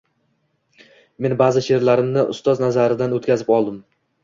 Men ba’zi she’rlarimni ustoz nazaridan o’tkazib oldim.